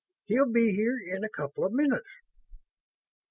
He'll be here in a couple of minutes."